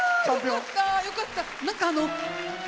よかった、よかった！